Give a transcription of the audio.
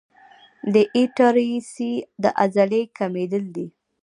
د ایټریسي د عضلې کمېدل دي.